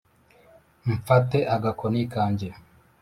mfate agakoni kanjye